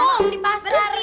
om di pasar